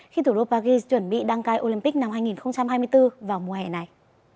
khi thủ đô paris chuẩn bị đăng cai olympic năm hai nghìn hai mươi bốn vào mùa hè này